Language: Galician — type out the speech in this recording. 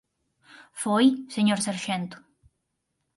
Foi, señor sarxento.